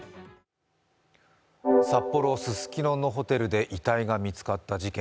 札幌・ススキノのホテルで遺体が見つかった事件。